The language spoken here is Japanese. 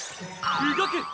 動く！